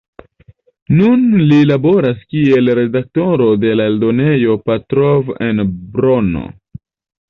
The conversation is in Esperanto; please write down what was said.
Nun li laboras kiel redaktoro de la eldonejo Petrov en Brno.